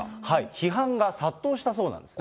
批判が殺到したそうなんです